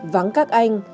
vắng các anh